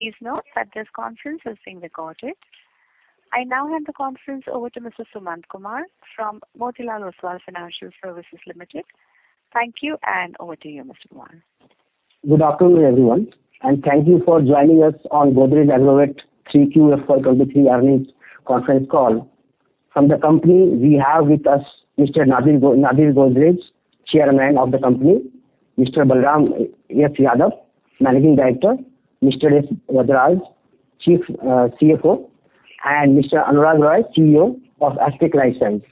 Please note that this conference is being recorded. I now hand the conference over to Mr. Sumant Kumar from Motilal Oswal Financial Services Limited. Thank you, and over to you, Mr. Kumar. Good afternoon, everyone, and thank you for joining us on Godrej Agrovet 3Q fiscal 2023 earnings conference call. From the company we have with us Mr. Nadir Godrej, Chairman of the company, Mr. Balram S. Yadav, Managing Director, Mr. S. Varadaraj, Chief CFO, and Mr. Anurag Roy, CEO of Astec LifeSciences.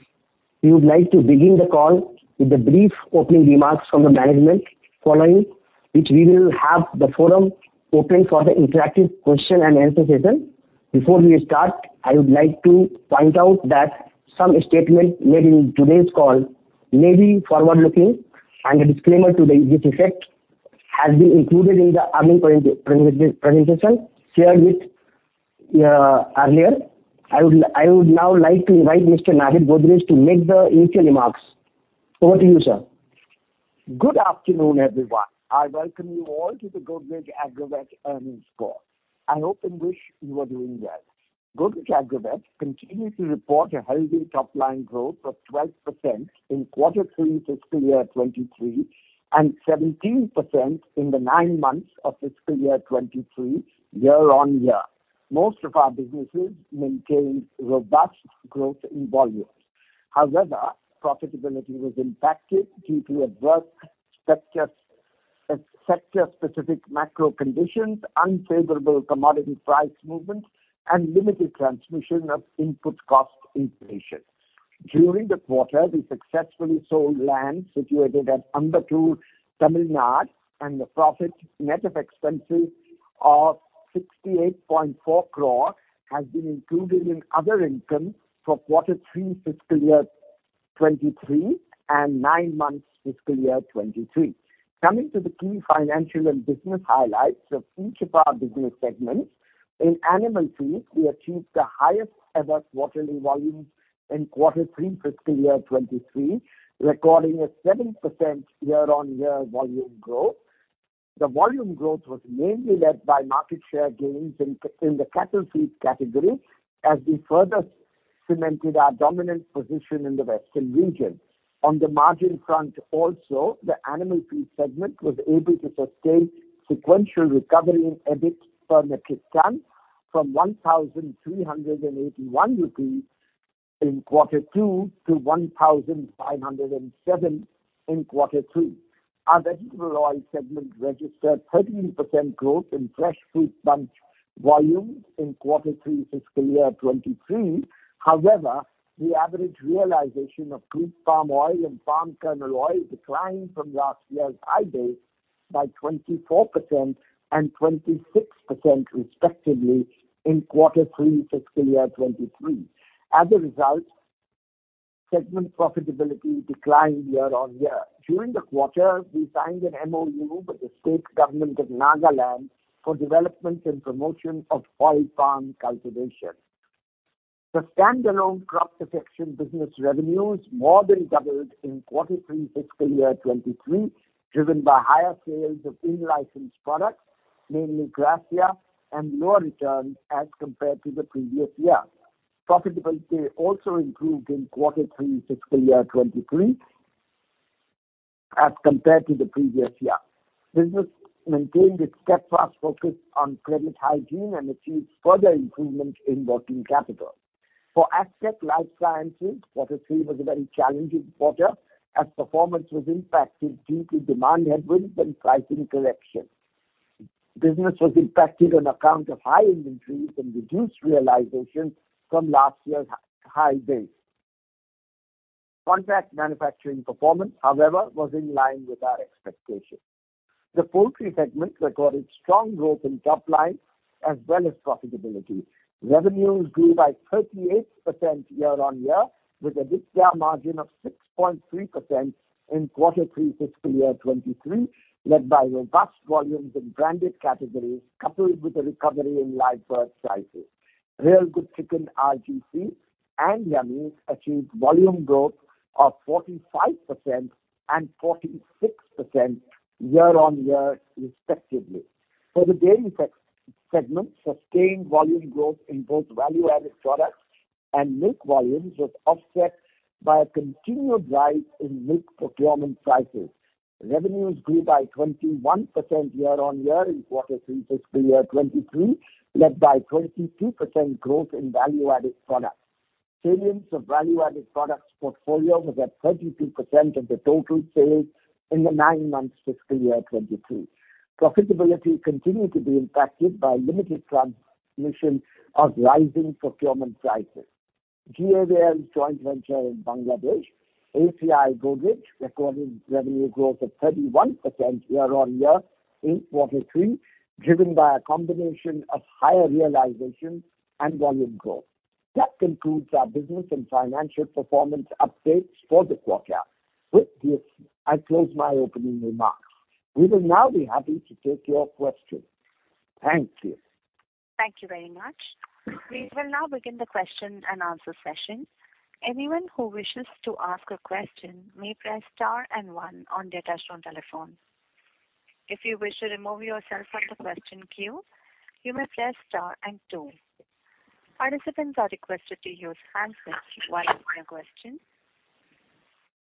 We would like to begin the call with a brief opening remarks from the management following, which we will have the forum open for the interactive question and answer session. Before we start, I would like to point out that some statements made in today's call may be forward-looking, and a disclaimer to the this effect has been included in the earning presentation shared with earlier. I would now like to invite Mr. Nadir Godrej to make the initial remarks. Over to you, sir. Good afternoon, everyone. I welcome you all to the Godrej Agrovet earnings call. I hope and wish you are doing well. Godrej Agrovet continues to report a healthy top line growth of 12% in Q3 FY 2023 and 17% in the nine months of FY 2023 year-on-year. Most of our businesses maintained robust growth in volumes. However, profitability was impacted due to adverse sector specific macro conditions, unfavorable commodity price movements, and limited transmission of input cost inflation. During the quarter, we successfully sold land situated at Ambattur, Tamil Nadu. The profit net of expenses of 68.4 crore has been included in other income for Q3 FY 2023 and nine months FY 2023. Coming to the key financial and business highlights of each of our business segments. In animal feeds, we achieved the highest ever quarterly volumes in quarter three fiscal year 2023, recording a 7% year-on-year volume growth. The volume growth was mainly led by market share gains in the cattle feed category as we further cemented our dominant position in the western region. On the margin front also, the animal feed segment was able to sustain sequential recovery in EBIT per metric ton from 1,381 rupees in quarter two to 1,507 in quarter three. Our vegetable oil segment registered 13% growth in Fresh Fruit Bunch volumes in quarter three fiscal year 2023. However, the average realization of Crude Palm Oil and palm kernel oil declined from last year's high base by 24% and 26% respectively in quarter three fiscal year 2023. As a result, segment profitability declined year-over-year. During the quarter, we signed an MoU with the State Government of Nagaland for development and promotion of oil palm cultivation. The standalone crop protection business revenues more than doubled in quarter three fiscal year 2023, driven by higher sales of in-licensed products, namely Gracia and lower return as compared to the previous year. Profitability also improved in quarter three fiscal year 2023 as compared to the previous year. Business maintained its steadfast focus on credit hygiene and achieved further improvement in working capital. For Astec LifeSciences, quarter three was a very challenging quarter as performance was impacted due to demand headwinds and pricing correction. Business was impacted on account of high inventories and reduced realization from last year's high base. Contract manufacturing performance, however, was in line with our expectations. The poultry segment recorded strong growth in top line as well as profitability. Revenues grew by 38% year-on-year with an EBITDA margin of 6.3% in quarter three fiscal year 2023, led by robust volumes in branded categories coupled with a recovery in live bird prices. Real Good Chicken, RGC, and Yummiez achieved volume growth of 45% and 46% year-on-year respectively. For the dairy segment, sustained volume growth in both value-added products and milk volumes was offset by a continued rise in milk procurement prices. Revenues grew by 21% year-on-year in quarter three fiscal year 2023, led by 22% growth in value-added products. Sales of value-added products portfolio was at 32% of the total sales in the nine months fiscal year 2023. Profitability continued to be impacted by limited transmission of rising procurement prices. GADL joint venture in Bangladesh, ACI Godrej recorded revenue growth of 31% year-on-year in quarter three, driven by a combination of higher realization and volume growth. That concludes our business and financial performance updates for the quarter. With this, I close my opening remarks. We will now be happy to take your questions. Thank you. Thank you very much. We will now begin the question-and-answer session. Anyone who wishes to ask a question may press star and one on their touchtone telephone. If you wish to remove yourself from the question queue, you may press star and two. Participants are requested to use hands-free while asking a question.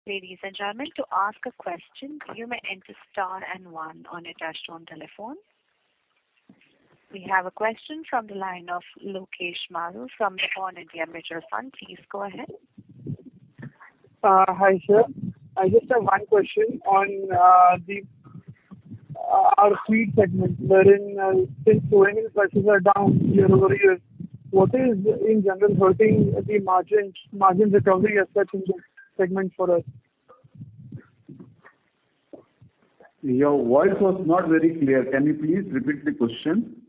Ladies and gentlemen, to ask a question, you may enter star and one on your touchtone telephone. We have a question from the line of Lokesh Maru from Nippon India Mutual Fund. Please go ahead. Hi, sir. I just have one question on the our feed segment wherein since soy meal prices are down year-over-year, what is in general hurting the margins, margin recovery as such in this segment for us? Your voice was not very clear. Can you please repeat the question?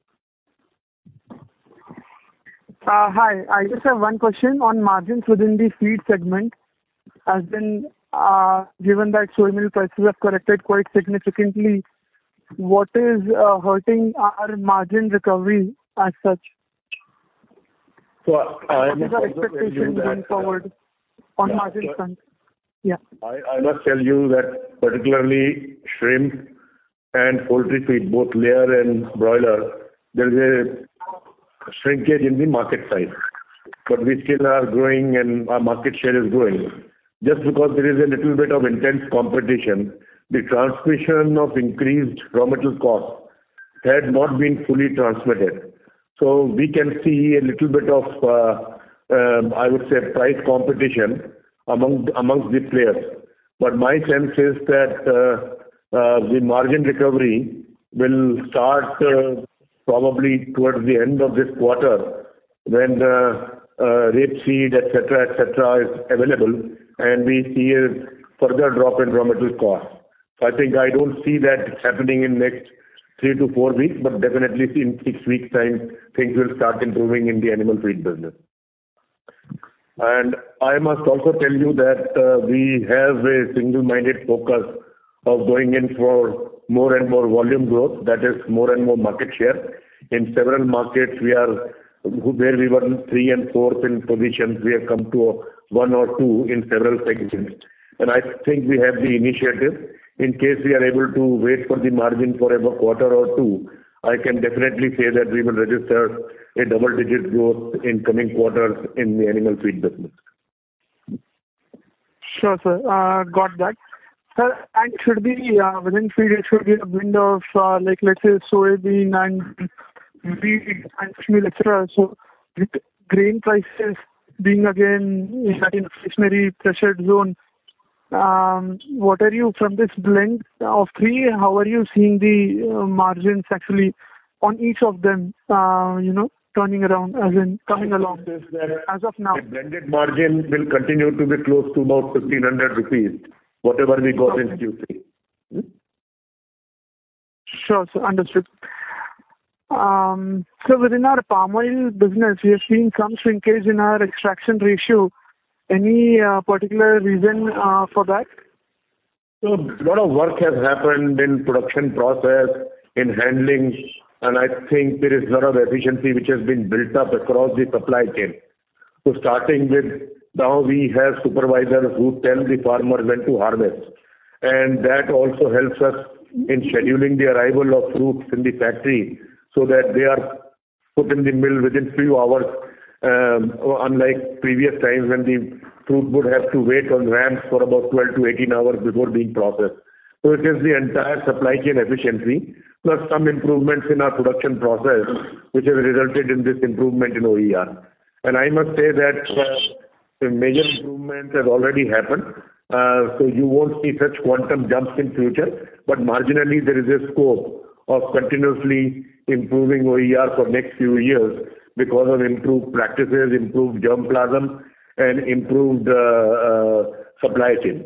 Hi. I just have one question on margins within the feed segment. As in, given that soy meal prices have corrected quite significantly, what is hurting our margin recovery as such? I must also tell you What is our expectation going forward on margin front? Yeah. I must tell you that particularly shrimp and poultry feed, both layer and broiler, there is a shrinkage in the market size. We still are growing, and our market share is growing. Just because there is a little bit of intense competition, the transmission of increased raw material cost had not been fully transmitted. We can see a little bit of, I would say price competition amongst the players. My sense is that the margin recovery will start probably towards the end of this quarter when the rapeseed, et cetera, et cetera, is available, and we see a further drop in raw material cost. I think I don't see that happening in next three to four weeks, but definitely in six weeks' time things will start improving in the animal feed business. I must also tell you that we have a single-minded focus of going in for more and more volume growth, that is more and more market share. In several markets, where we were in three and four in positions, we have come to one or two in several segments. I think we have the initiative. In case we are able to wait for the margin for about a quarter or two, I can definitely say that we will register a double-digit growth in coming quarters in the animal feed business. Sure, sir. got that. Sir, should the, within feed there should be a blend of, like, let's say soybean and wheat and soy meal, et cetera. With grain prices being again in that inflationary pressured zone, what are you From this blend of three, how are you seeing the, margins actually on each of them, you know, turning around as in coming along as of now? The blended margin will continue to be close to about 1,500 rupees, whatever we got in Q3. Sure, sir. Understood. Sir, within our palm oil business, we are seeing some shrinkage in our extraction ratio. Any particular reason for that? A lot of work has happened in production process, in handling, and I think there is a lot of efficiency which has been built up across the supply chain. Starting with now we have supervisors who tell the farmer when to harvest. That also helps us in scheduling the arrival of fruits in the factory so that they are put in the mill within few hours, unlike previous times when the fruit would have to wait on ramps for about 12-18 hours before being processed. It is the entire supply chain efficiency plus some improvements in our production process which has resulted in this improvement in OER. I must say that the major improvements have already happened. You won't see such quantum jumps in future. Marginally there is a scope of continuously improving OER for next few years because of improved practices, improved germplasm and improved supply chain.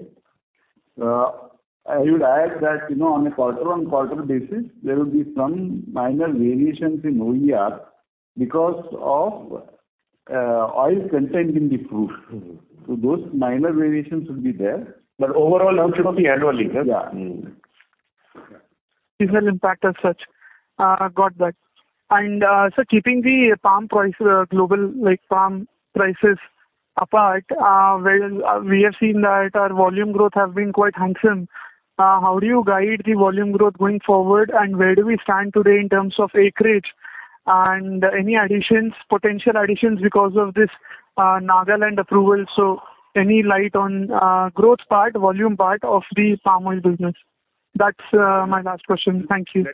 I would add that, you know, on a quarter on quarter basis, there will be some minor variations in OER because of oil content in the fruit. Those minor variations will be there. Overall, how should not be annually, right? Yeah. Mm-hmm. Seasonal impact as such. Got that. Sir, keeping the palm price, global, like palm prices apart, where we have seen that our volume growth has been quite handsome. How do you guide the volume growth going forward, and where do we stand today in terms of acreage and any additions, potential additions because of this, Nagaland approval? Any light on, growth part, volume part of the palm oil business? That's my last question. Thank you.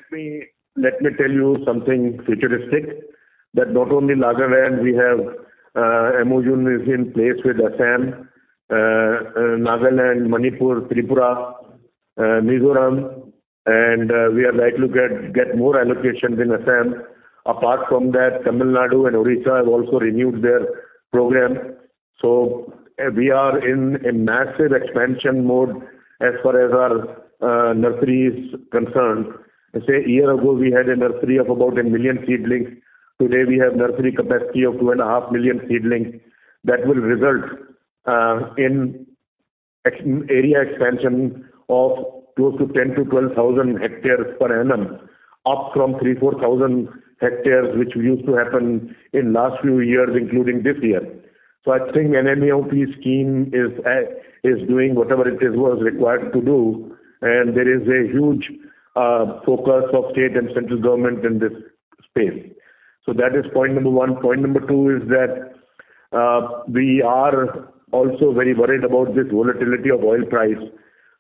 Let me tell you something futuristic, that not only Nagaland, we have MoU is in place with Assam, Nagaland, Manipur, Tripura, Mizoram, and we are likely to get more allocations in Assam. Apart from that, Tamil Nadu and Odisha have also renewed their program. We are in a massive expansion mode as far as our nursery is concerned. Say a year ago we had a nursery of about 1 million seedlings. Today we have nursery capacity of 2.5 million seedlings that will result in area expansion of close to 10,000-12,000 hectares per annum, up from 3,000-4,000 hectares, which used to happen in last few years, including this year. I think NMEO-OP scheme is doing whatever it is was required to do, and there is a huge focus of state and central government in this space. That is point number one. Point number two is that we are also very worried about this volatility of oil price.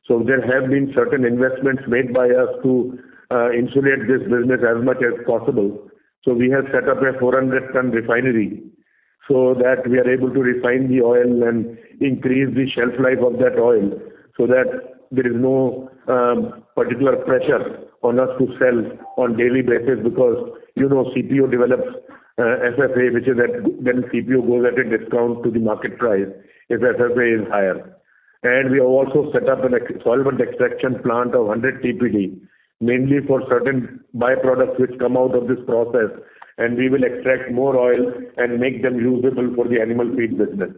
There have been certain investments made by us to insulate this business as much as possible. We have set up a 400 ton refinery so that we are able to refine the oil and increase the shelf life of that oil so that there is no particular pressure on us to sell on daily basis. Because, you know, CPO develops FFA, which is then CPO goes at a discount to the market price if FFA is higher. We have also set up a solvent extraction plant of 100 TPD, mainly for certain by-products which come out of this process. We will extract more oil and make them usable for the animal feed business.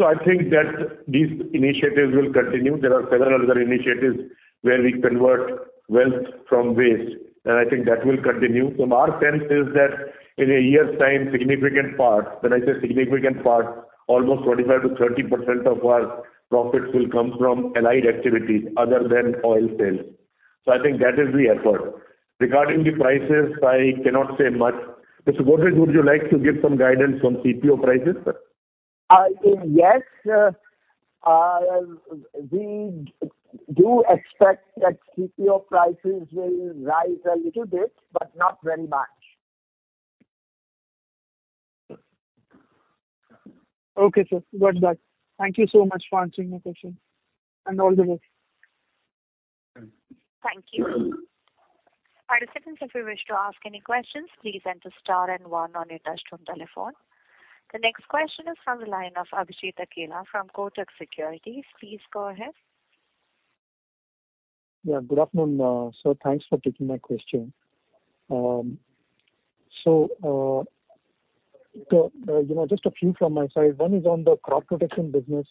I think that these initiatives will continue. There are several other initiatives where we convert waste from waste, and I think that will continue. Our sense is that in a year's time, significant part, when I say significant part, almost 45%-30% of our profits will come from allied activities other than oil sales. I think that is the effort. Regarding the prices, I cannot say much. Mr. Godrej, would you like to give some guidance on CPO prices, sir? Yes. We do expect that CPO prices will rise a little bit, but not very much. Okay, sir. Got that. Thank you so much for answering my question, and all the best. Thank you. Participants, if you wish to ask any questions, please enter star and one on your touchtone telephone. The next question is from the line of Abhijit Akella from Kotak Securities. Please go ahead. Good afternoon, sir. Thanks for taking my question. You know, just a few from my side. One is on the crop protection business,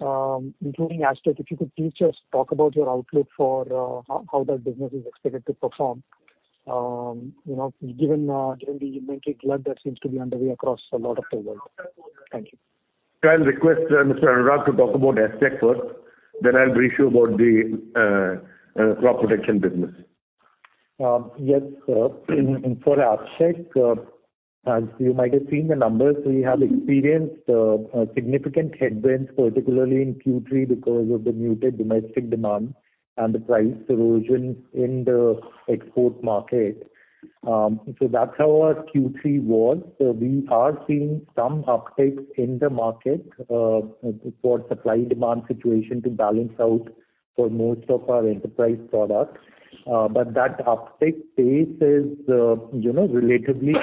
including Astec. If you could please just talk about your outlook for how that business is expected to perform, you know, given the inventory glut that seems to be underway across a lot of the world. Thank you. I'll request Mr. Anurag to talk about Astec first, then I'll brief you about the crop protection business. Yes, sir. For Astec, as you might have seen the numbers, we have experienced a significant headwind, particularly in Q3, because of the muted domestic demand and the price erosion in the export market. That's how our Q3 was. We are seeing some uptakes in the market for supply demand situation to balance out for most of our enterprise products. That uptake pace is, you know, relatively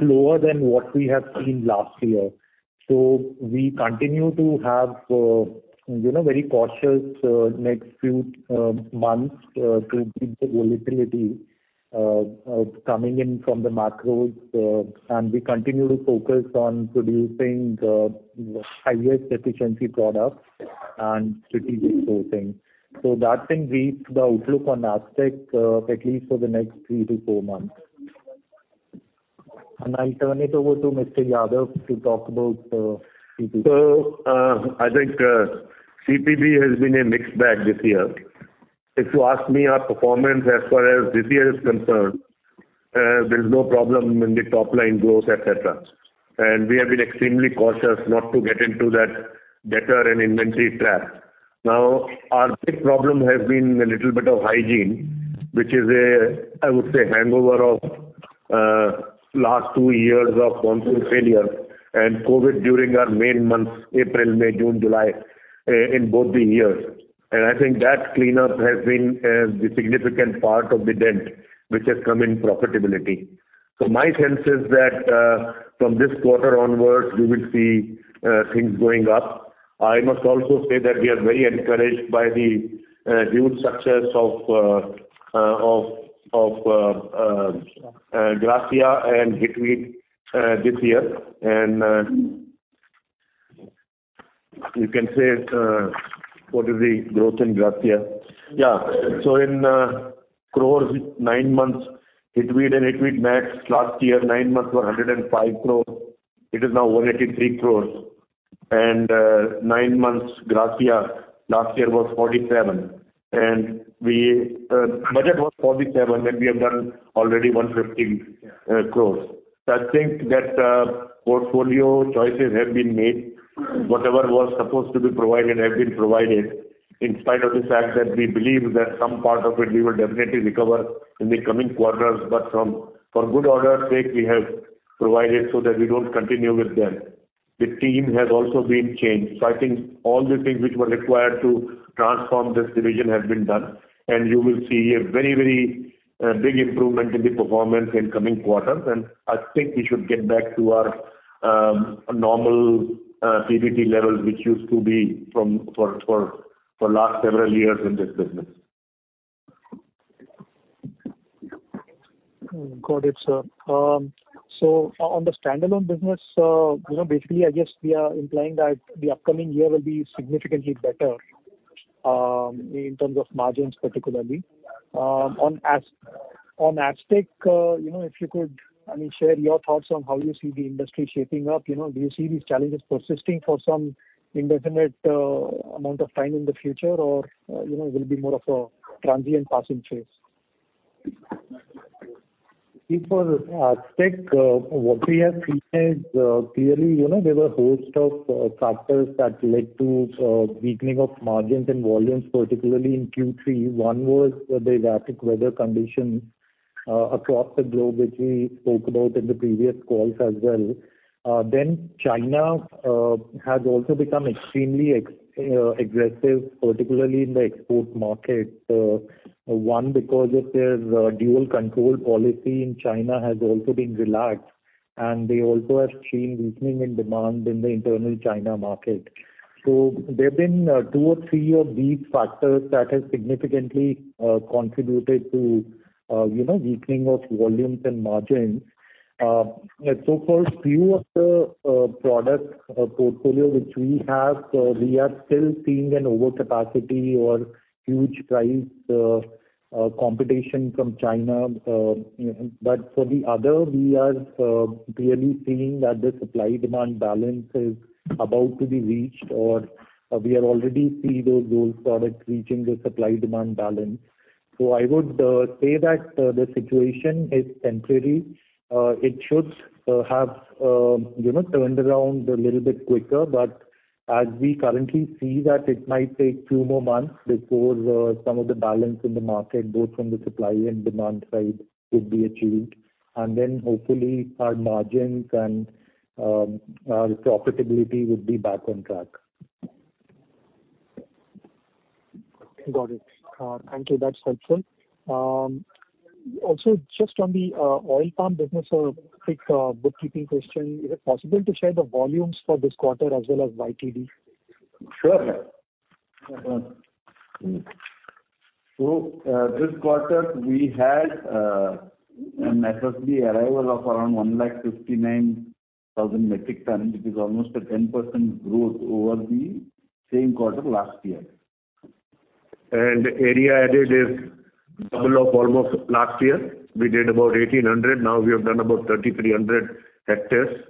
lower than what we have seen last year. We continue to have, you know, very cautious next few months to beat the volatility coming in from the macros. We continue to focus on producing the highest efficiency products and strategic sourcing. That's in brief the outlook on Astec, at least for the next thre to four months. I'll turn it over to Mr. Yadav to talk about, CPB. I think CPB has been a mixed bag this year. If you ask me our performance as far as this year is concerned, there's no problem in the top line growth, et cetera. We have been extremely cautious not to get into that debtor and inventory trap. Our big problem has been a little bit of hygiene, which is a, I would say, hangover of last two years of monsoon failure and COVID during our main months, April, May, June, July, in both the years. I think that cleanup has been the significant part of the dent which has come in profitability. My sense is that from this quarter onwards we will see things going up. I must also say that we are very encouraged by the huge success of Gracia and Hitweed this year. You can say, what is the growth in Gracia? In crores, nine months, Hitweed and Hitweed Maxx last year, nine months were 105 crore. It is now 183 crore. Nine months Gracia last year was 47 crore. We budget was 47 crore, and we have done already 115 crore. I think that portfolio choices have been made. Whatever was supposed to be provided have been provided, in spite of the fact that we believe that some part of it we will definitely recover in the coming quarters, but for good order sake, we have provided so that we don't continue with them. The team has also been changed. I think all the things which were required to transform this division has been done, and you will see a very, very big improvement in the performance in coming quarters. I think we should get back to our normal PBT levels, which used to be for last several years in this business. Got it, sir. On the standalone business, you know, basically, I guess we are implying that the upcoming year will be significantly better, in terms of margins, particularly. On Astec, you know, if you could, I mean, share your thoughts on how you see the industry shaping up. You know, do you see these challenges persisting for some indefinite amount of time in the future or, you know, will it be more of a transient passing phase? If for Astec, what we have seen is, clearly, you know, there were a host of factors that led to weakening of margins and volumes, particularly in Q3. One was the erratic weather conditions across the globe, which we spoke about in the previous calls as well. China has also become extremely aggressive, particularly in the export market. One, because of their dual control policy in China has also been relaxed, and they also have seen weakening in demand in the internal China market. There's been two or three of these factors that has significantly contributed to, you know, weakening of volumes and margins. For few of the product portfolio which we have, we are still seeing an overcapacity or huge price competition from China. You know, For the other, we are clearly seeing that the supply-demand balance is about to be reached or we are already see those products reaching the supply-demand balance. I would say that the situation is temporary. it should have, you know, turned around a little bit quicker. As we currently see that it might take two more months before some of the balance in the market, both from the supply and demand side could be achieved. Then hopefully our margins and our profitability would be back on track. Got it. Thank you. That's helpful. Also just on the oil palm business, a quick bookkeeping question. Is it possible to share the volumes for this quarter as well as YTD? Sure. This quarter we had an FFB arrival of around 159,000 metric tons, which is almost a 10% growth over the same quarter last year. Area added is double of almost last year. We did about 1,800, now we have done about 3,300 hectares.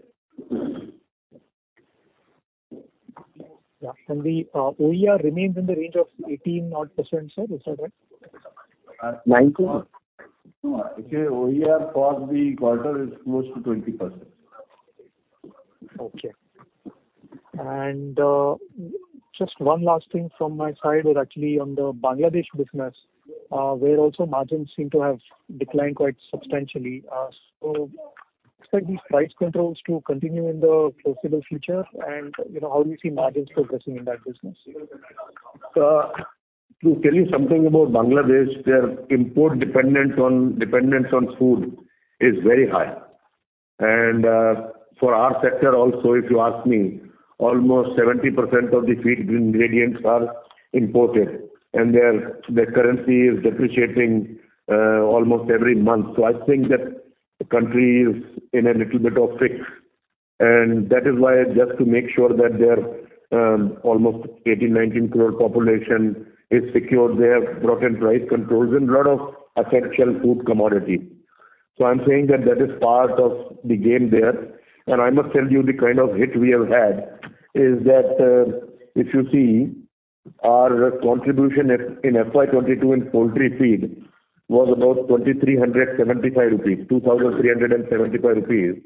Yeah. The OEA remains in the range of 18%-odd, sir. Is that right? 19%. No. The OEA for the quarter is close to 20%. Okay. Just one last thing from my side was actually on the Bangladesh business, where also margins seem to have declined quite substantially. Expect these price controls to continue in the foreseeable future? You know, how do you see margins progressing in that business? To tell you something about Bangladesh, their import dependence on food is very high. For our sector also, if you ask me, almost 70% of the feed ingredients are imported, and their currency is depreciating almost every month. I think that the country is in a little bit of fix, and that is why just to make sure that their almost 18 crore-19 crore population is secure, they have brought in price controls in lot of essential food commodity. I'm saying that that is part of the game there. I must tell you the kind of hit we have had is that if you see our contribution in FY 2022 in poultry feed was about 2,375 crore rupees.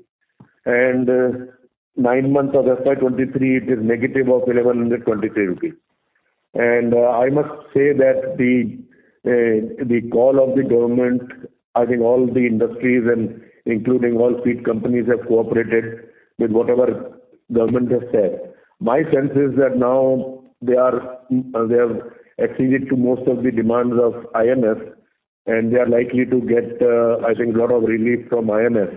Nine months of FY 2023, it is -1,123 crore rupees. I must say that the call of the government, I think all the industries and including all feed companies have cooperated with whatever government has said. My sense is that now they have acceded to most of the demands of IMF, and they are likely to get, I think lot of relief from IMF.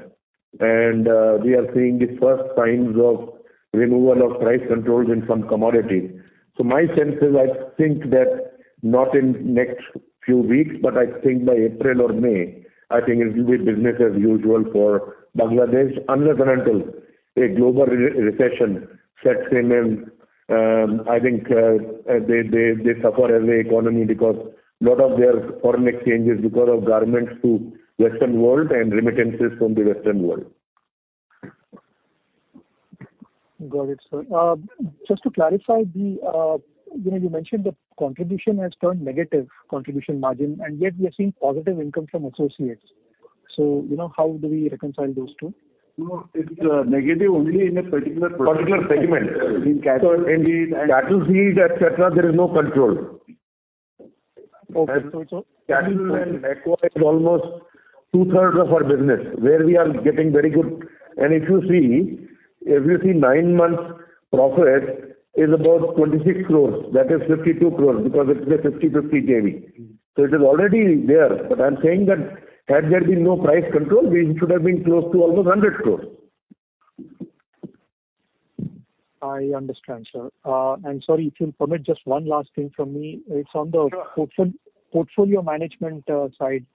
We are seeing the first signs of removal of price controls in some commodities. My sense is I think that not in next few weeks, but I think by April or May, I think it will be business as usual for Bangladesh, unless and until a global recession sets in and, I think, they suffer as an economy because lot of their foreign exchange is because of garments to Western world and remittances from the Western world. Got it, sir. Just to clarify the, you know, you mentioned the contribution has turned negative contribution margin, and yet we are seeing positive income from associates. You know, how do we reconcile those two? No, it's negative only in a particular segment. In cattle feed. In cattle feed, et cetera, there is no control. Okay. Cattle and aqua is almost two-thirds of our business where we are getting very good. If you see nine months profit is about 26 crore, that is 52 crore because it's a 50/50 JV. It is already there. I'm saying that had there been no price control we should have been close to almost 100 crore. I understand, sir. Sorry, if you'll permit just one last thing from me. Sure. It's on the portfolio management side.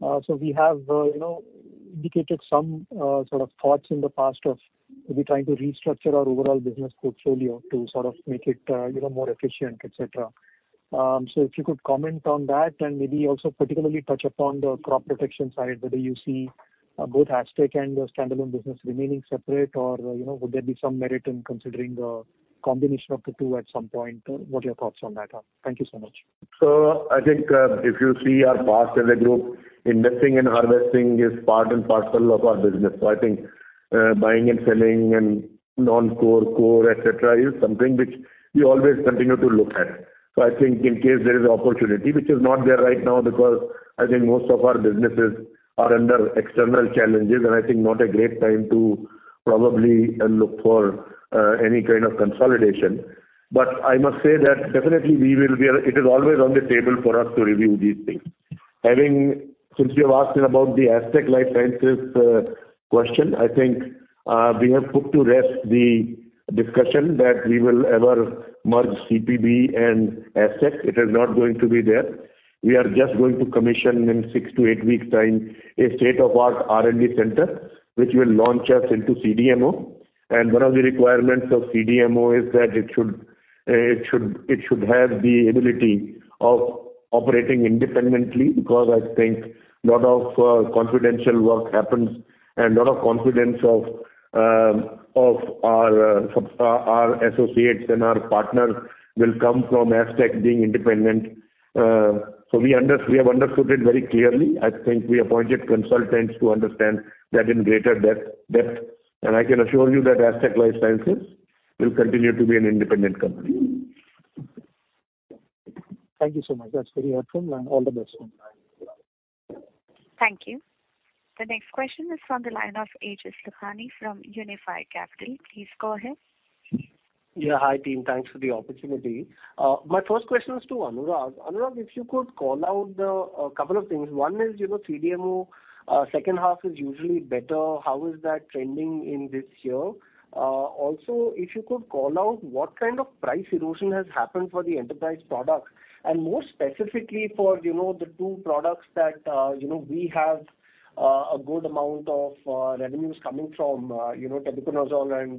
We have, you know, indicated some sort of thoughts in the past of we're trying to restructure our overall business portfolio to sort of make it, you know, more efficient, et cetera. If you could comment on that and maybe also particularly touch upon the crop protection side, whether you see both Astec and the standalone business remaining separate or, you know, would there be some merit in considering a combination of the two at some point? What are your thoughts on that? Thank you so much. I think, if you see our past as a group, investing and harvesting is part and parcel of our business. I think, buying and selling and non-core, core, et cetera, is something which we always continue to look at. I think in case there is opportunity, which is not there right now, because I think most of our businesses are under external challenges and I think not a great time to probably look for any kind of consolidation. I must say that definitely it is always on the table for us to review these things. Having... Since you have asked about the Astec LifeSciences question, I think, we have put to rest the discussion that we will ever merge CPB and Astec. It is not going to be there. We are just going to commission in six to eight weeks' time a state-of-the-art R&D center, which will launch us into CDMO. One of the requirements of CDMO is that it should have the ability of operating independently, because I think lot of confidential work happens and lot of confidence of our associates and our partners will come from Astec being independent. We have understood it very clearly. I think we appointed consultants to understand that in greater depth, and I can assure you that Astec LifeSciences will continue to be an independent company. Thank you so much. That's very helpful. All the best. Thank you. The next question is from the line of Aejas Lakhani from Unifi Capital. Please go ahead. Hi, team. Thanks for the opportunity. My first question is to Anurag. Anurag, if you could call out the couple of things. One is, you know, CDMO, second half is usually better. How is that trending in this year? Also, if you could call out what kind of price erosion has happened for the enterprise products, and more specifically for, you know, the two products that, you know, we have a good amount of revenues coming from, you know, terbinafine and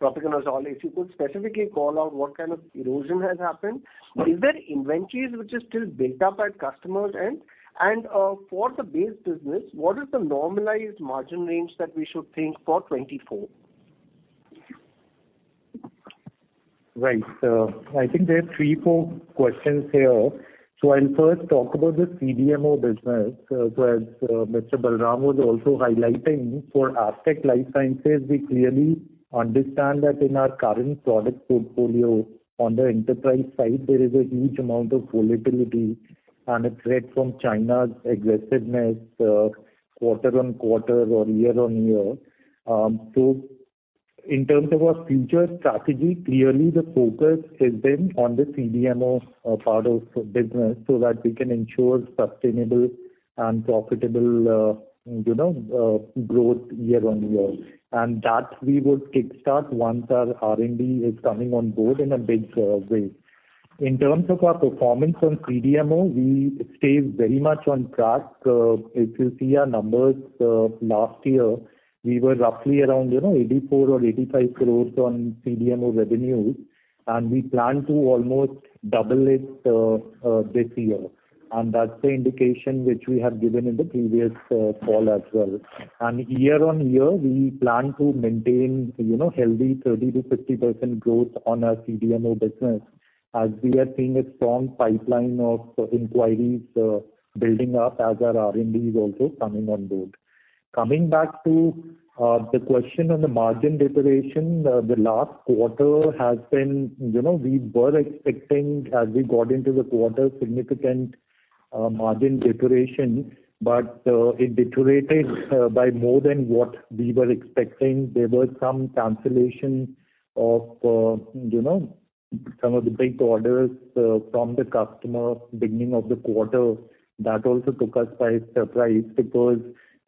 propiconazole. If you could specifically call out what kind of erosion has happened. Is there inventories which are still built up at customers end? For the base business, what is the normalized margin range that we should think for 2024? Right. I think there are three, four questions here. I'll first talk about the CDMO business. As Mr. Balram was also highlighting, for Astec LifeSciences, we clearly understand that in our current product portfolio on the enterprise side, there is a huge amount of volatility and a threat from China's aggressiveness, quarter-on-quarter or year-on-year. In terms of our future strategy, clearly the focus has been on the CDMO part of business so that we can ensure sustainable and profitable, you know, growth year-on-year. That we would kickstart once our R&D is coming on board in a big way. In terms of our performance on CDMO, we stay very much on track. If you see our numbers, last year, we were roughly around, you know, 84 crore or 85 crore on CDMO revenues. We plan to almost double it this year. That's the indication which we have given in the previous call as well. Year on year, we plan to maintain, you know, healthy 30%-50% growth on our CDMO business as we are seeing a strong pipeline of inquiries building up as our R&D is also coming on board. Coming back to the question on the margin deterioration, the last quarter has been, you know, we were expecting as we got into the quarter, significant margin deterioration. It deteriorated by more than what we were expecting. There was some cancellation of, you know, some of the big orders from the customer beginning of the quarter. That also took us by surprise because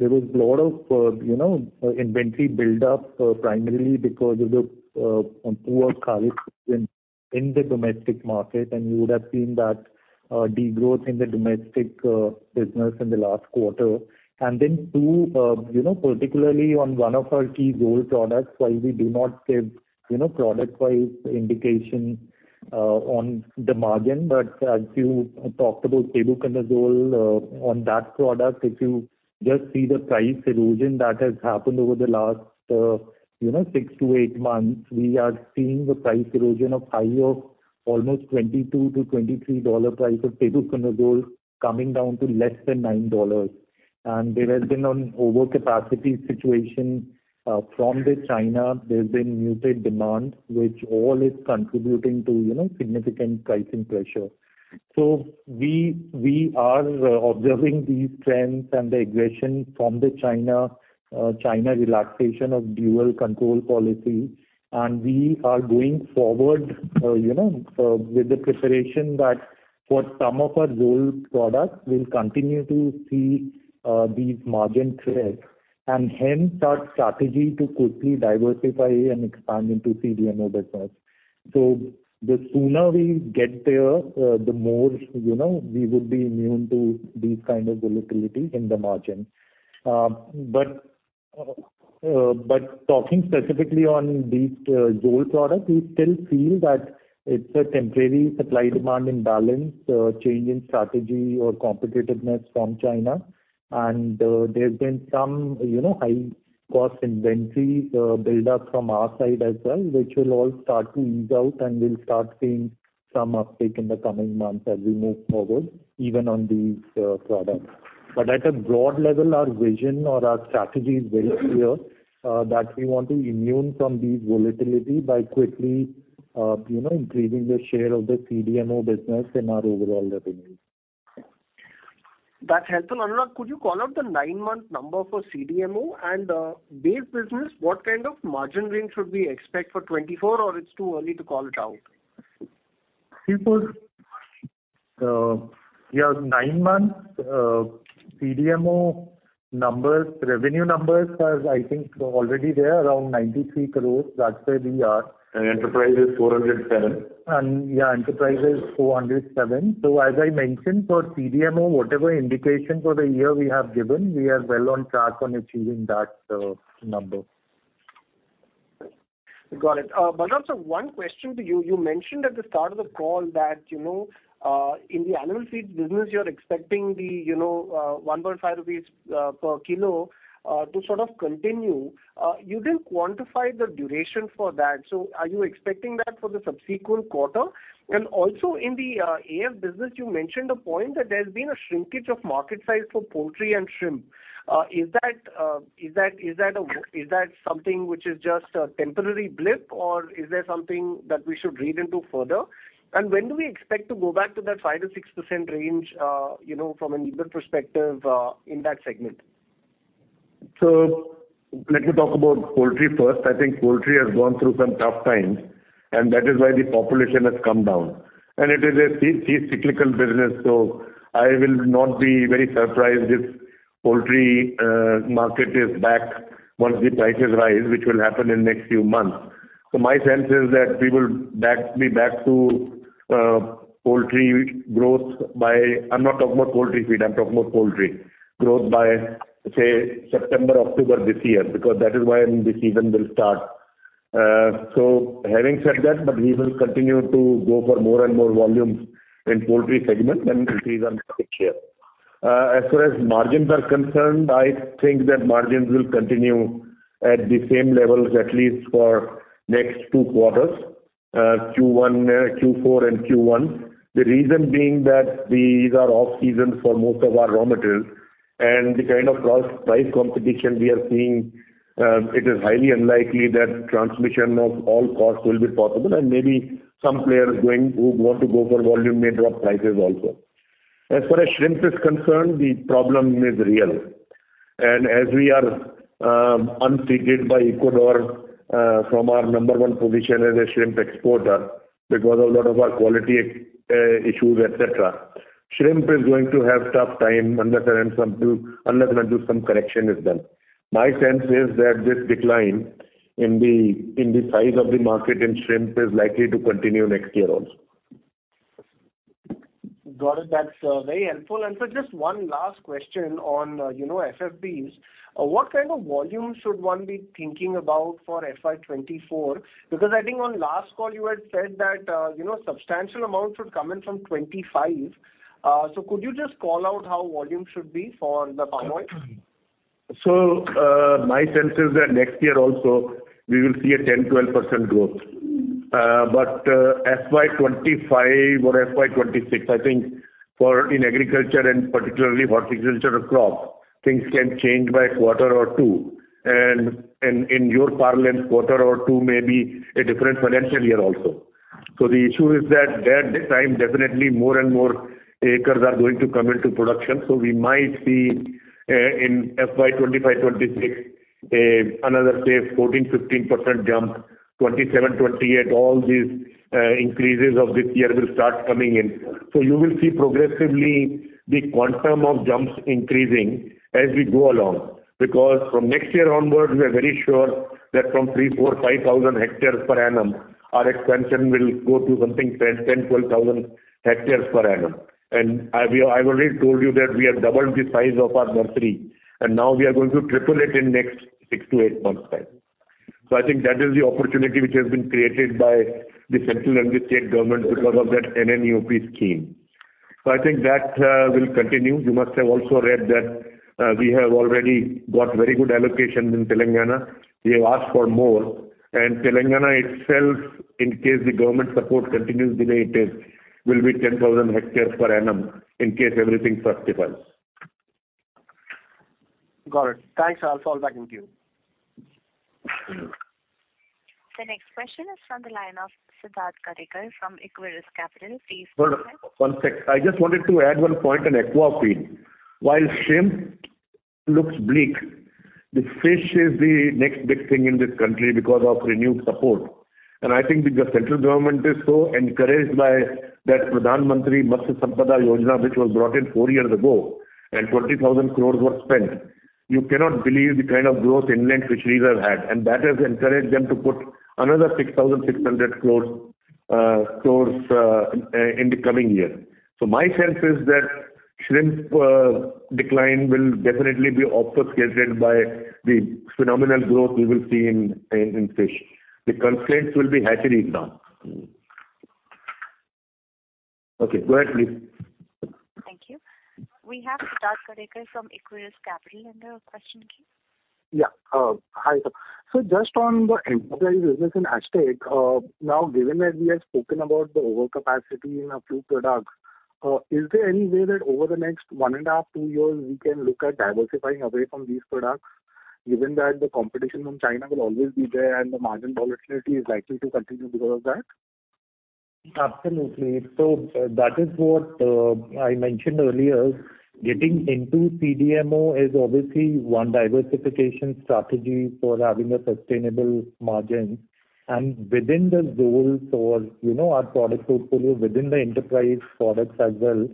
there was lot of, you know, inventory build-up, primarily because of the poor kharif season in the domestic market, and you would have seen that degrowth in the domestic business in the last quarter. Then two, you know, particularly on one of our key gold products, while we do not give, you know, product wise indication on the margin, but as you talked about terbinafine, on that product, if you just see the price erosion that has happened over the last, you know, six to eight months, we are seeing the price erosion of high of almost $22-$23 price of terbinafine coming down to less than $9. There has been an overcapacity situation from the China. There's been muted demand, which all is contributing to, you know, significant pricing pressure. We are observing these trends and the aggression from the China relaxation of dual control policy, we are going forward, you know, with the preparation that for some of our gold products, we'll continue to see these margin trends. Hence our strategy to quickly diversify and expand into CDMO business. The sooner we get there, the more, you know, we would be immune to these kind of volatility in the margin. Talking specifically on these JOL products, we still feel that it's a temporary supply demand imbalance, change in strategy or competitiveness from China. There's been some, you know, high cost inventory, build up from our side as well, which will all start to ease out, and we'll start seeing some uptick in the coming months as we move forward even on these products. At a broad level, our vision or our strategy is very clear, that we want to immune from these volatility by quickly, you know, increasing the share of the CDMO business in our overall revenue. That's helpful. Anurag, could you call out the nine-month number for CDMO? Base business, what kind of margin range should we expect for 2024 or it's too early to call it out? Sure. Yeah, nine months CDMO numbers, revenue numbers are, I think already there around 93 crore. That's where we are. Enterprise is 407 crore. Enterprise is 407 crore. As I mentioned for CDMO, whatever indication for the year we have given, we are well on track on achieving that number. Got it. Balram sir, one question to you. You mentioned at the start of the call that, you know, in the animal feed business, you're expecting the, you know, 1.5 crore rupees/kg to sort of continue. You didn't quantify the duration for that. Are you expecting that for the subsequent quarter? Also in the AF business, you mentioned a point that there's been a shrinkage of market size for poultry and shrimp. Is that a, is that something which is just a temporary blip or is there something that we should read into further? When do we expect to go back to that 5%-6% range, you know, from an EBIT perspective, in that segment? Let me talk about poultry first. I think poultry has gone through some tough times and that is why the population has come down. It is a cyclical business, I will not be very surprised if poultry market is back once the prices rise, which will happen in next few months. My sense is that we will be back to poultry growth by... I'm not talking about poultry feed, I'm talking about poultry growth by, say, September, October this year because that is when the season will start. Having said that, we will continue to go for more and more volumes in poultry segment and increase our market share. As far as margins are concerned, I think that margins will continue at the same levels at least for next two quarters, Q1, Q4 and Q1. The reason being that these are off-season for most of our raw materials and the kind of cost price competition we are seeing, it is highly unlikely that transmission of all costs will be possible and maybe some players going, who want to go for volume may drop prices also. As far as shrimp is concerned, the problem is real. As we are unseated by Ecuador from our number one position as a shrimp exporter because a lot of our quality issues, et cetera, shrimp is going to have tough time unless and until some correction is done. My sense is that this decline in the size of the market in shrimp is likely to continue next year also. Got it. That's very helpful. Just one last question on, you know, FFBs. What kind of volume should one be thinking about for FY 2024? Because I think on last call you had said that, you know, substantial amounts would come in from 2025. Could you just call out how volume should be for the palm oil? My sense is that next year also we will see a 10%-12% growth. FY 2025 or FY 2026, I think for in agriculture and particularly horticulture crop, things can change by a quarter or two. In your parlance quarter or two may be a different financial year also. The issue is that time definitely more and more acres are going to come into production. We might see in FY 2025-2026 another say 14%-15% jump. 2027-2028 all these increases of this year will start coming in. You will see progressively the quantum of jumps increasing as we go along. From next year onwards we are very sure that from 3,000-5,000 hectares per annum our expansion will go to something 10,000-12,000 hectares per annum. I've already told you that we have doubled the size of our nursery and now we are going to triple it in next six to eight months time. I think that is the opportunity which has been created by the central and the state government because of that NMOOP scheme. I think that will continue. You must have also read that we have already got very good allocations in Telangana. We have asked for more. Telangana itself, in case the government support continues the way it is, will be 10,000 hectares per annum in case everything fructifies. Got it. Thanks. I'll follow back with you. Mm-hmm. The next question is from the line of Siddharth Gadekar from Equirus Capital. Please go ahead. Hold on one sec. I just wanted to add one point on aqua feed. While shrimp looks bleak, the fish is the next big thing in this country because of renewed support. I think the central government is so encouraged by that Pradhan Mantri Matsya Sampada Yojana, which was brought in four years ago and 20,000 crore were spent. You cannot believe the kind of growth inland fisheries have had. That has encouraged them to put another 6,600 crore in the coming year. My sense is that shrimp decline will definitely be off-set scheduled by the phenomenal growth we will see in fish. The constraints will be hatchery plants. Okay, go ahead, please. Thank you. We have Siddharth Gadekar from Equirus Capital under question queue. Yeah. Hi, sir. Just on the enterprise business in Astec, now, given that we have spoken about the overcapacity in a few products, is there any way that over the next 1.5, two years, we can look at diversifying away from these products, given that the competition from China will always be there and the margin volatility is likely to continue because of that? Absolutely. That is what I mentioned earlier. Getting into CDMO is obviously one diversification strategy for having a sustainable margin. Within the goal for, you know, our product portfolio within the enterprise products as well,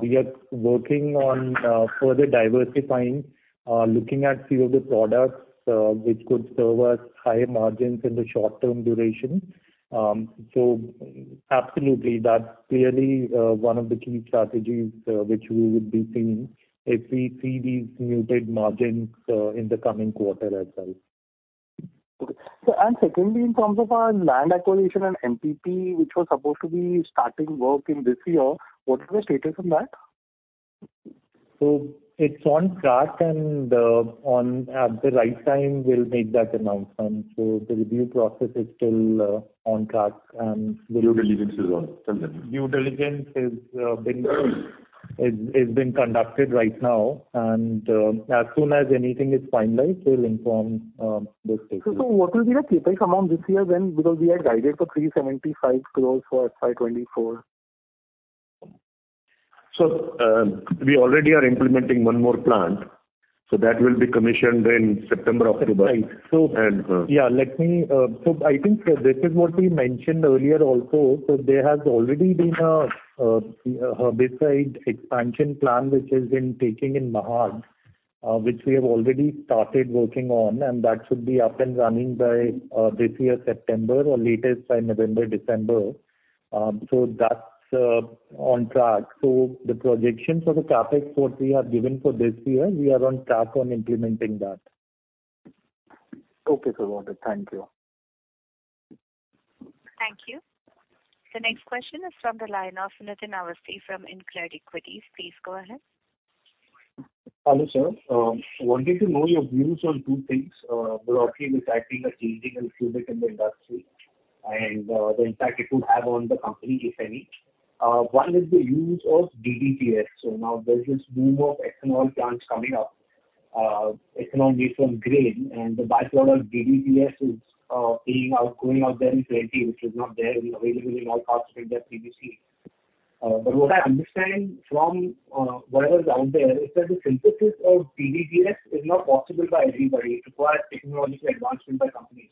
we are working on further diversifying, looking at few of the products, which could serve us higher margins in the short-term duration. Absolutely. That's clearly one of the key strategies, which we would be seeing if we see these muted margins in the coming quarter as well. Okay. Secondly, in terms of our land acquisition and MPP, which was supposed to be starting work in this year, what is the status on that? It's on track and, at the right time we'll make that announcement. The review process is still on track and- Due diligence is on. Tell them. Due diligence is being conducted right now. As soon as anything is finalized, we'll inform the stakeholders. What will be the CapEx amount this year then? Because we had guided for 375 crore for FY 2024. We already are implementing 1 more plant, so that will be commissioned in September, October. Right. And, uh- Let me. I think this is what we mentioned earlier also. There has already been a herbicide expansion plan which is in taking in Mahad, which we have already started working on, and that should be up and running by this year, September or latest by November, December. That's on track. The projection for the CapEx what we have given for this year, we are on track on implementing that. Okay. Got it. Thank you. Thank you. The next question is from the line of Nitin Awasthi from InCred Equities. Please go ahead. Hello, sir. wanted to know your views on two things. broadly with acting, changing a little bit in the industry and the impact it would have on the company, if any. one is the use of DDGS. now there's this boom of ethanol plants coming up, ethanol made from grain, and the byproduct DDGS is being out, going out there in plenty, which was not there and available in all parts of India previously. but what I understand from whatever is out there is that the synthesis of DDGS is not possible by everybody. It requires technological advancement by companies.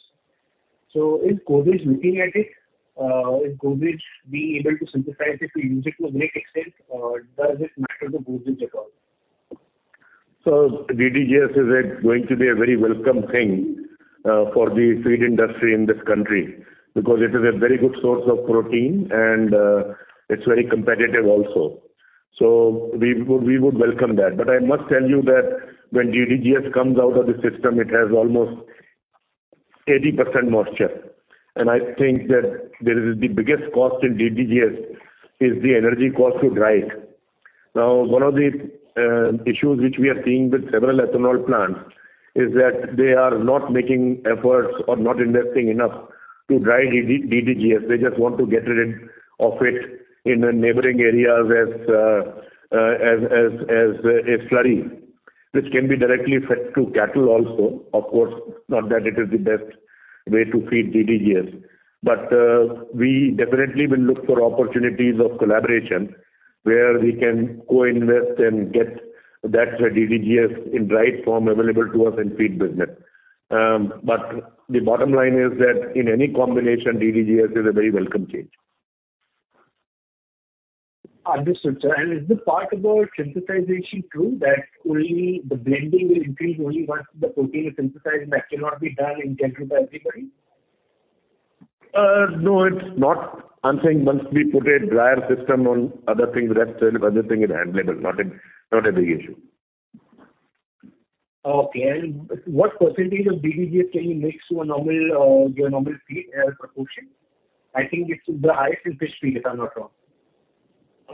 is Godrej looking at it? is Godrej being able to synthesize it to use it to a great extent? does it matter to Godrej at all? DDGS is going to be a very welcome thing for the feed industry in this country because it is a very good source of protein and it's very competitive also. We would welcome that. I must tell you that when DDGS comes out of the system, it has almost 80% moisture. I think that there is the biggest cost in DDGS is the energy cost to dry it. One of the issues which we are seeing with several ethanol plants is that they are not making efforts or not investing enough to dry DDGS. They just want to get rid of it in the neighboring areas as a slurry, which can be directly fed to cattle also. Of course, not that it is the best way to feed DDGS. We definitely will look for opportunities of collaboration where we can co-invest and get that DDGS in dry form available to us in feed business. The bottom line is that in any combination, DDGS is a very welcome change. Understood, sir. Is the part about synthesization true that only the blending will increase only once the protein is synthesized, and that cannot be done in general by everybody? No, it's not. I'm saying once we put a dryer system on other things, rest, other thing is handleable, not a big issue. Okay. What percentage of DDGS can you mix to a normal, your normal feed proportion? I think it's the highest in fish feed, if I'm not wrong?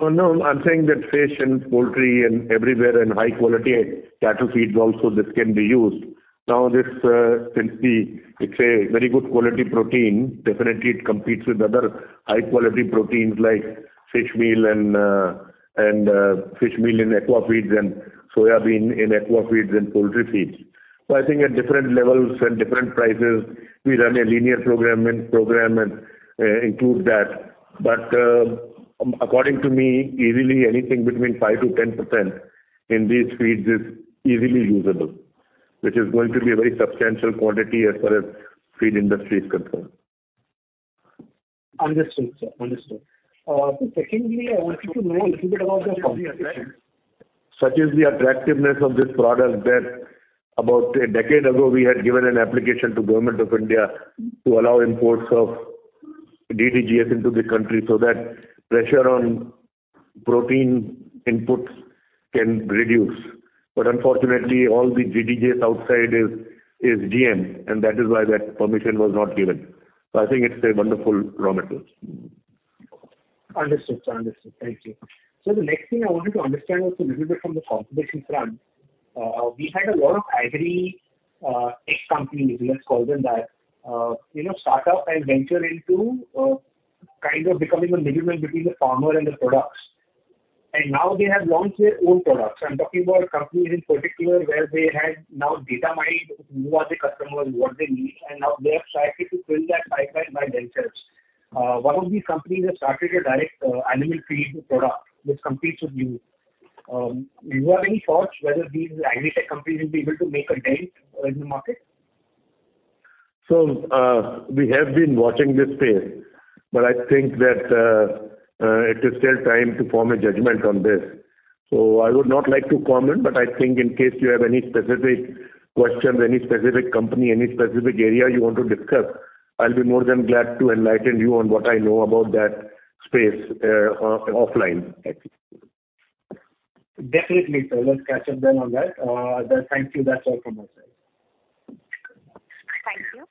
No. I'm saying that fish and poultry and everywhere in high quality cattle feeds also this can be used. Now this, it's a very good quality protein. Definitely it competes with other high quality proteins like fish meal and fish meal in aqua feeds and soybean in aqua feeds and poultry feeds. I think at different levels and different prices, we run a linear program and include that. According to me, easily anything between 5%-10% in these feeds is easily usable. Which is going to be a very substantial quantity as far as feed industry is concerned. Understood, sir. Understood. Secondly, I wanted to know a little bit about the. Such is the attractiveness of this product that about a decade ago, we had given an application to Government of India to allow imports of DDGS into the country so that pressure on protein inputs can reduce. Unfortunately, all the DDGS outside is GM, and that is why that permission was not given. I think it's a wonderful raw material. Understood, sir. Understood. Thank you. The next thing I wanted to understand also a little bit from the competition front. We had a lot of agritech companies, let's call them that, you know, start up and venture into kind of becoming a middleman between the farmer and the products. Now they have launched their own products. I'm talking about companies in particular where they had now data mined who are the customers, what they need, and now they are trying to fill that pipeline by themselves. One of these companies have started a direct animal feed product which competes with you. Do you have any thoughts whether these agritech companies will be able to make a dent in the market? We have been watching this space, but I think that it is still time to form a judgment on this. I would not like to comment, but I think in case you have any specific questions, any specific company, any specific area you want to discuss, I'll be more than glad to enlighten you on what I know about that space offline. Definitely, sir. Let's catch up then on that. Thank you. That's all from my side. Thank you.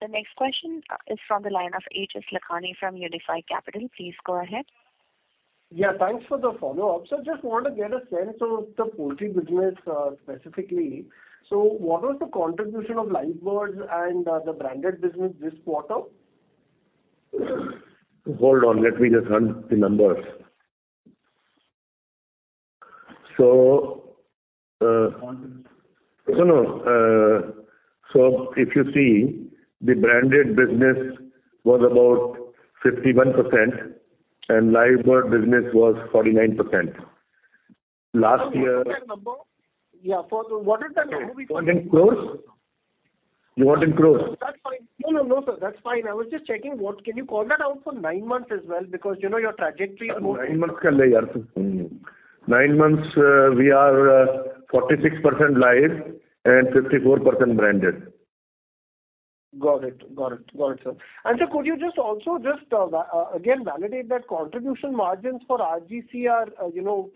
The next question is from the line of Aejas Lakhani from Unifi Capital. Please go ahead. Yeah, thanks for the follow-up. Just want to get a sense of the poultry business specifically. What was the contribution of live birds and the branded business this quarter? Hold on. Let me just hunt the numbers. Contribution. No, no. If you see, the branded business was about 51% and live bird business was 49%. Yeah. What is that number? You want in crores? You want in crores? That's fine. No, no, sir. That's fine. I was just checking what. Can you call that out for nine months as well? Because, you know, your trajectory- Nine months, we are 46% live and 54% branded. Got it. Got it. Got it, sir. Sir, could you just also just again validate that contribution margins for RGC are, you know,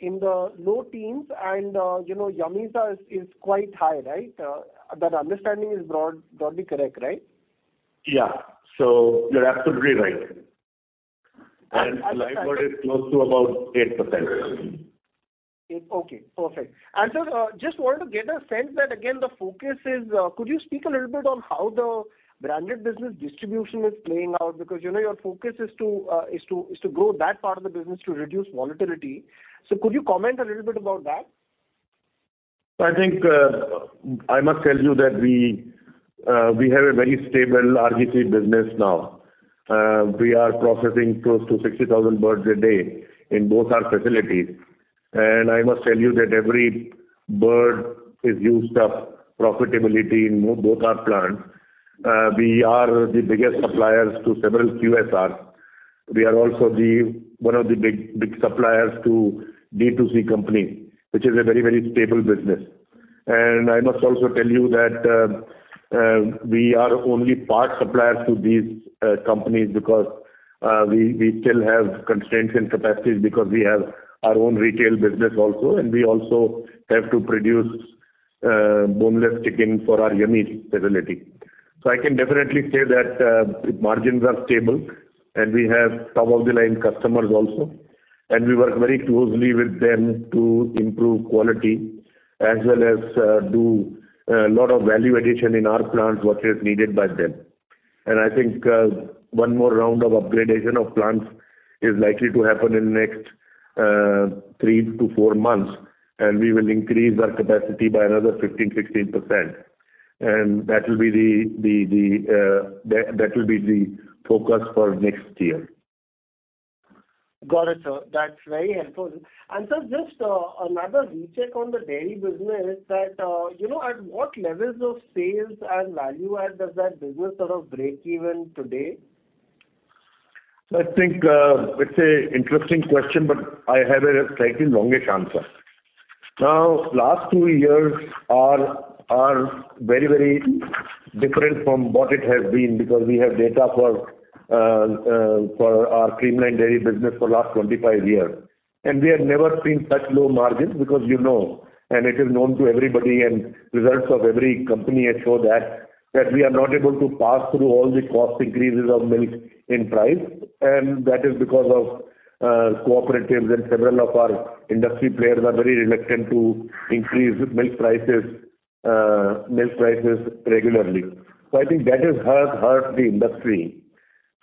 in the low teens and, you know, Yummiez is quite high, right? That understanding is broadly correct, right? Yeah. You're absolutely right. Live bird is close to about 8%. 8%. Okay, perfect. Sir, just want to get a sense that again, the focus is, could you speak a little bit on how the branded business distribution is playing out? Because, you know, your focus is to grow that part of the business to reduce volatility. Could you comment a little bit about that? I think, I must tell you that we have a very stable RGC business now. We are processing close to 60,000 birds a day in both our two facilities. I must tell you that every bird is used up profitability in both our plants. We are the biggest suppliers to several QSR. We are also the one of the big suppliers to D2C company, which is a very, very stable business. I must also tell you that we are only part suppliers to these companies because we still have constraints in capacities because we have our own retail business also, and we also have to produce boneless chicken for our Yummiez facility. I can definitely say that, margins are stable, and we have top-of-the-line customers also, and we work very closely with them to improve quality as well as, do a lot of value addition in our plants, what is needed by them. I think, one more round of upgradation of plants is likely to happen in next, three to four months, and we will increase our capacity by another 15%-16%. That will be the focus for next year. Got it, sir. That's very helpful. Sir, just another recheck on the dairy business that, you know, at what levels of sales and value add does that business sort of break even today? I think, it's a interesting question, but I have a slightly longish answer. Last two years are very, very different from what it has been because we have data for our Creamline dairy business for last 25 years. We have never seen such low margins because, you know, and it is known to everybody, and results of every company has showed that we are not able to pass through all the cost increases of milk in price. That is because of cooperatives and several of our industry players are very reluctant to increase milk prices regularly. I think that has hurt the industry.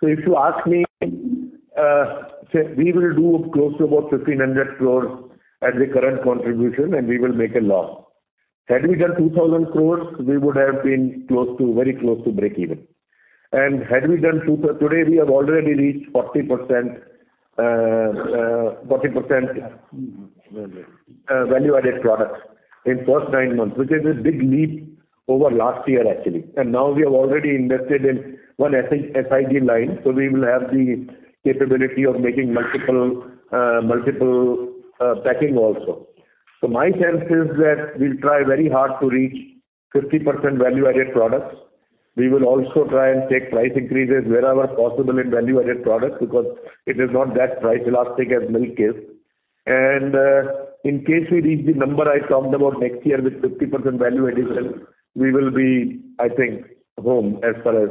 If you ask me, we will do close to about 1,500 crore at the current contribution, and we will make a loss. Had we done 2,000 crore, we would have been very close to breakeven. Today, we have already reached 40% value-added products in first nine months, which is a big leap over last year actually. Now we have already invested in one SIG line, so we will have the capability of making multiple packing also. My sense is that we'll try very hard to reach 50% value-added products. We will also try and take price increases wherever possible in value-added products, because it is not that price elastic as milk is. In case we reach the number I talked about next year with 50% value addition, we will be, I think, home as far as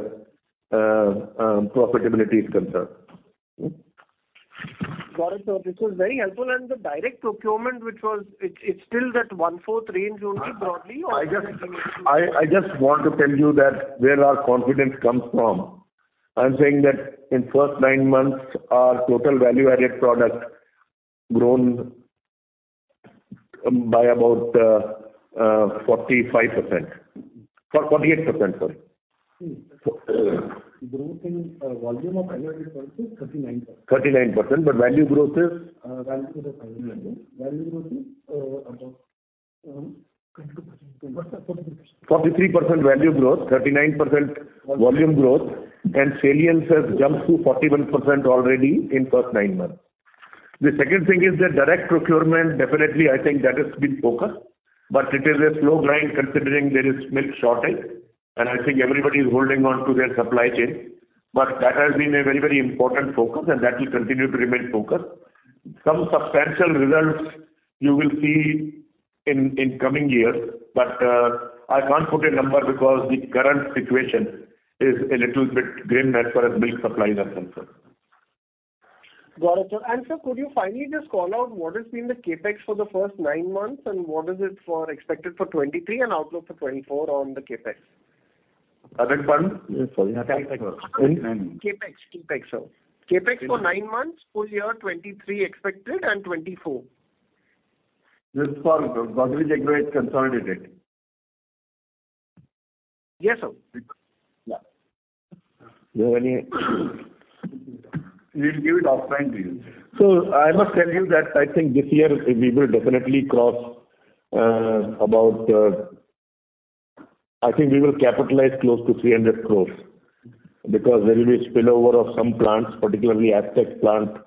profitability is concerned. Got it, sir. This was very helpful. The direct procurement. It's still that one-fourth range only broadly, or? I just want to tell you that where our confidence comes from. I'm saying that in first nine months, our total value-added product grown by about 45%. 48%, sorry. Growth in volume of value-added products is 39%. 39%, value growth is? Value growth is about 22%? What's the 43% value growth, 39% volume growth, salience has jumped to 41% already in first nine months. The second thing is the direct procurement. Definitely, I think that has been focused, but it is a slow grind considering there is milk shortage, and I think everybody is holding on to their supply chain. That has been a very, very important focus, and that will continue to remain focused. Some substantial results you will see in coming years. I can't put a number because the current situation is a little bit grim as far as milk supply is concerned, sir. Got it, sir. Sir, could you finally just call out what has been the CapEx for the first nine months, and what is it for expected for 2023 and outlook for 2024 on the CapEx? Pardon? Yes, sorry. CapEx CapEx. CapEx, sir. CapEx for nine months, full year 2023 expected and 2024. Just for Godrej Agro is consolidated. Yes, sir. Do you have any? We'll give it offline to you. I must tell you that I think this year we will definitely cross, about, I think we will capitalize close to 300 crore because there will be a spillover of some plants, particularly Astec plant,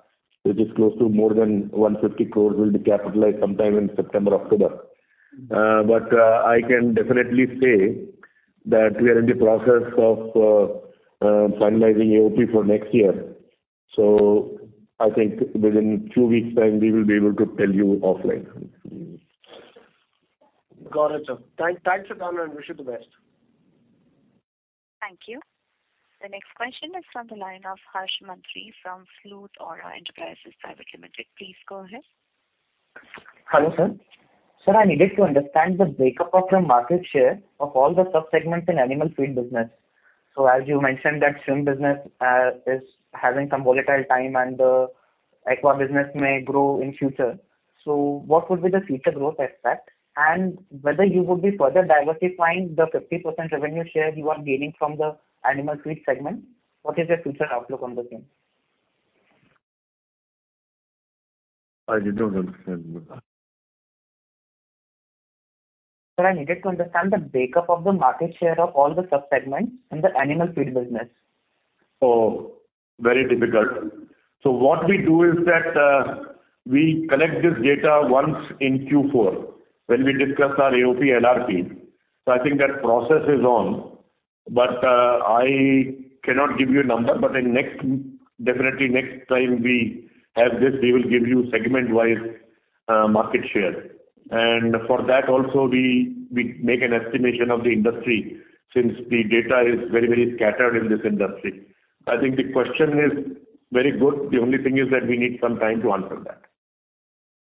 which is close to more than 150 crore, will be capitalized sometime in September, October. I can definitely say that we are in the process of, finalizing AOP for next year. I think within two weeks time we will be able to tell you offline. Got it, sir. Thanks, Sudhakar, and wish you the best. Thank you. The next question is from the line of Harsh Mantri from Flute Aura Enterprises Private Limited. Please go ahead. Hello, sir. Sir, I needed to understand the breakup of your market share of all the sub-segments in animal feed business. As you mentioned that shrimp business is having some volatile time and the aqua business may grow in future. What would be the future growth aspect, and whether you would be further diversifying the 50% revenue share you are gaining from the animal feed segment? What is the future outlook on the same? I did not understand. Sir, I needed to understand the breakup of the market share of all the sub-segments in the animal feed business. Very difficult. What we do is that we collect this data once in Q4 when we discuss our AOP, NRP. I think that process is on, but I cannot give you a number. In next, definitely next time we have this, we will give you segment-wise market share. For that also we make an estimation of the industry since the data is very, very scattered in this industry. I think the question is very good. The only thing is that we need some time to answer that.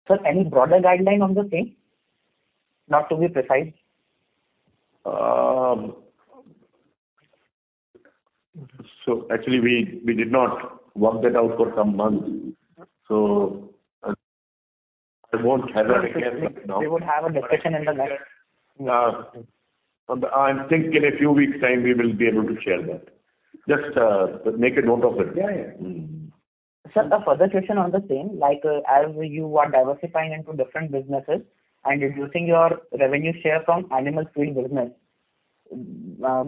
Sir, any broader guideline on the same? Not to be precise. Actually we did not work that out for some months, so I won't have that again right now. We would have a discussion in the line. I think in a few weeks time we will be able to share that. Make a note of it. Yeah, yeah. Mm-hmm. Sir, a further question on the same, like, as you are diversifying into different businesses and reducing your revenue share from animal feed business,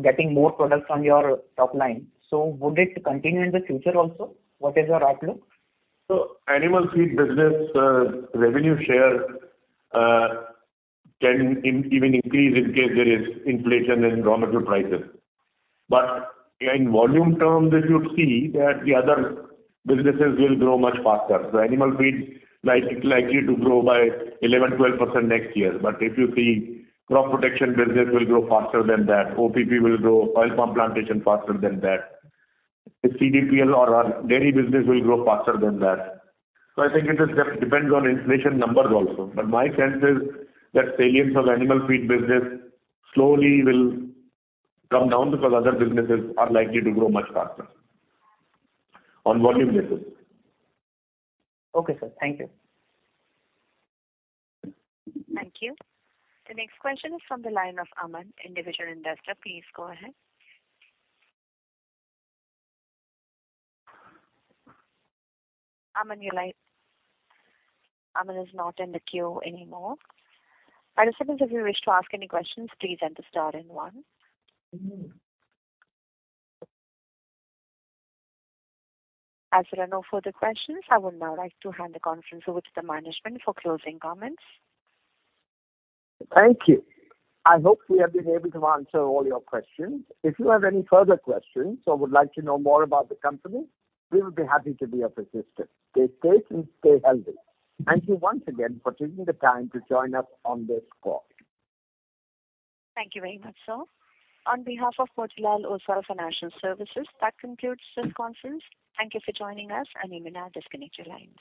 getting more products on your top line. Would it continue in the future also? What is your outlook? Animal feed business, revenue share, even increase in case there is inflation in raw material prices. In volume terms, if you see that the other businesses will grow much faster. Animal feed is likely to grow by 11%-12% next year. If you see, crop protection business will grow faster than that. OPP will grow, oil palm plantation faster than that. The CDPL or our dairy business will grow faster than that. I think it just depends on inflation numbers also. My sense is that salience of animal feed business slowly will come down because other businesses are likely to grow much faster on volume basis. Okay, sir. Thank you. Thank you. The next question is from the line of Aman, individual investor. Please go ahead. Aman is not in the queue anymore. Participants, if you wish to ask any questions, please enter star then one. As there are no further questions, I would now like to hand the conference over to the management for closing comments. Thank you. I hope we have been able to answer all your questions. If you have any further questions or would like to know more about the company, we would be happy to be of assistance. Stay safe and stay healthy. Thank you once again for taking the time to join us on this call. Thank you very much, sir. On behalf of Motilal Oswal Financial Services, that concludes this conference. Thank you for joining us. You may now disconnect your lines.